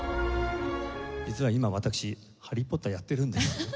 実は今私ハリー・ポッターやってるんです。